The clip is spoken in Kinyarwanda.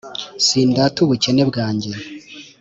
sindata ubukene bwanjye,